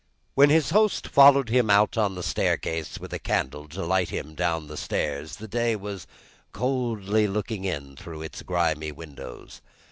When his host followed him out on the staircase with a candle, to light him down the stairs, the day was coldly looking in through its grimy windows.